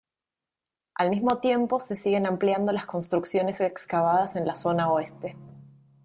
Al mismo tiempo se siguen ampliando las construcciones excavadas en la zona oeste.